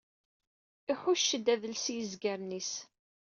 Iḥucc-d adles i yizgaren-is.